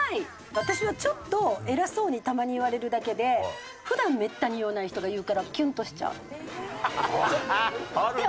私はちょっと偉そうにたまに言われるだけで普段めったに言わない人が言うからキュンとしちゃう。